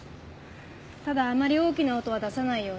ただあまり大きな音は出さないように。